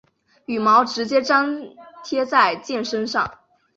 羽毛直接粘贴在箭身上。